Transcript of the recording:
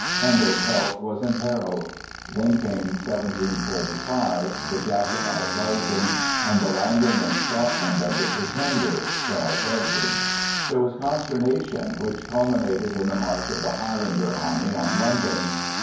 Handel's health was imperiled. Then came 1745, the Jacobite rising and the landing in Scotland of the Pretender, Charles Edward. There was consternation which culminated in the march of the Highlander army on London.